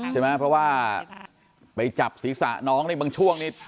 ใช่ไหมเพราะว่าไปจับศีรษะน้องนี่บางช่วงนี้